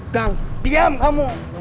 kang diam kamu